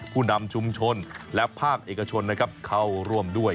ผู้นำชุมชนและภาคเอกชนนะครับเข้าร่วมด้วย